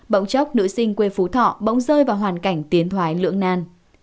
bỗng chốc nữ sinh quê phú thọ bỗng rơi vào hoàn cảnh tiến thoái lưỡng nan